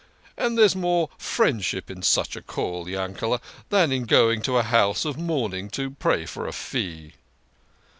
And there's more friendship in such a call, Yankele, than in going to a house of mourning to pray for a fee."